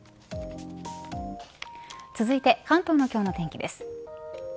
続いて、関東の今日の天気です。